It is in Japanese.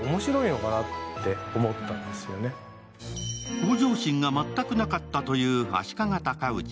向上心が全くなかったという足利尊氏。